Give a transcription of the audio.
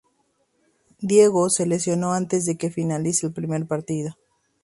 Diego se lesionó antes de que finalice el primer tiempo.